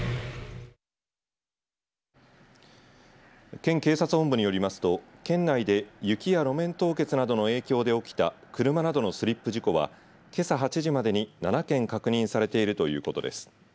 県警察本部によりますと県内で雪や路面凍結などの影響で起きた車などのスリップ事故はけさ８時までに７件確認されているということです。